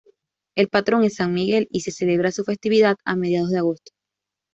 El patrón es San Miguel, y se celebra su festividad a mediados de agosto.